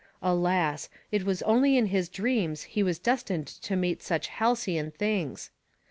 Alas! it was only in his dreams he was destined to meet such halcyon things.